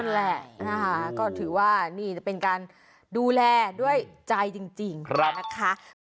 แหละนะคะก็ถือว่านี่จะเป็นการดูแลด้วยใจจริงนะคะ